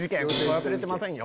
忘れてませんよ。